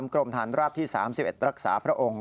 กรมฐานราบที่๓๑รักษาพระองค์